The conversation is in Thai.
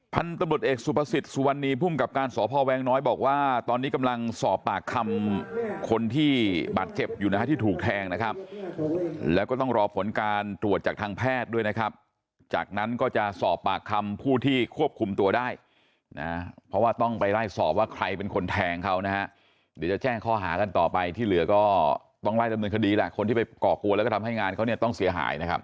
พันธบุตรเอกสุพศิษย์สุวรรณีผู้กับการสอบภาวแวงน้อยบอกว่าตอนนี้กำลังสอบปากคำคนที่บาดเจ็บอยู่นะครับที่ถูกแทงนะครับแล้วก็ต้องรอผลการตรวจจากทางแพทย์ด้วยนะครับจากนั้นก็จะสอบปากคำผู้ที่ควบคุมตัวได้นะฮะเพราะว่าต้องไปไล่สอบว่าใครเป็นคนแทงเขานะฮะเดี๋ยวจะแจ้งข้อห